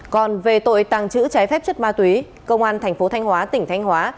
còn về tội tàng trữ trái phép chất ma túy công an thành phố thanh hóa tỉnh thanh hóa